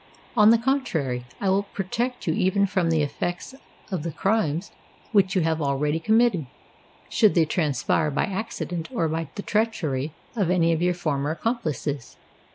On the contrary, I will protect you even from the effects of the crimes which you have already committed, should they transpire by accident or by the treachery of any of your former accomplices.